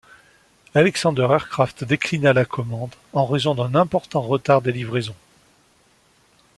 Alexander Aircraft déclina la commande en raison d’un important retard des livraisons.